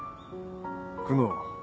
久能。